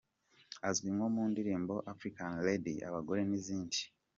Azwi nko mu ndirimbo "African Lady", "Abagore" n’izindi.